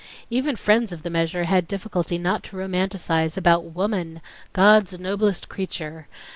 Even friends of the measure had difficulty not to romanticize about "Woman—God's noblest creature"